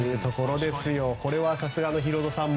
これはさすがのヒロドさん